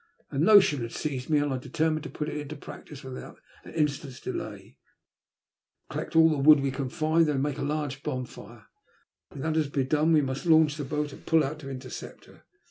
A notion had seized me, and I determined to put it into practice without an instant's delay. Let us collect all the wood we can find and then make a large bonfire. When that has been done, we must launch the boat and pull out to intercept her.